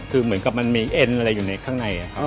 คือเหมือนกับมันมีเอ็นอะไรอยู่ในข้างในครับ